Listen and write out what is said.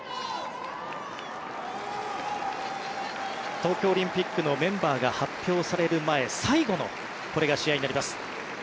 東京オリンピックのメンバーが発表される前最後のこれが試合になります。